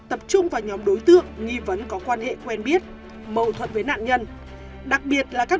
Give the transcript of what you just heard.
tập trung vào nhóm đối tượng nghi vấn có quan hệ quen biết mâu thuẫn với nạn nhân đặc biệt là các